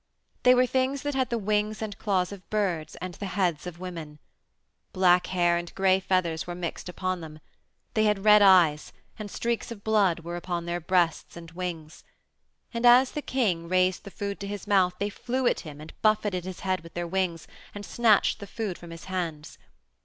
They were things that had the wings and claws of birds and the heads of women. Black hair and gray feathers were mixed upon them; they had red eyes, and streaks of blood were upon their breasts and wings. And as the king raised the food to his mouth they flew at him and buffeted his head with their wings, and snatched the food from his hands.